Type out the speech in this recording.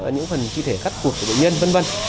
những phần chi thể khắt cuộc của bệnh nhân v v